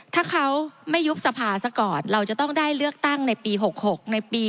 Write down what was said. ถ้าเขาไม่ยุบสภาซะก่อนเราจะต้องได้เลือกตั้งในปี๖๖ในปี๒๕